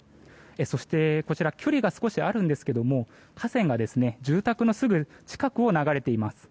そして、こちら距離が少しあるんですが河川が住宅のすぐ近くを流れています。